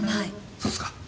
そうすか？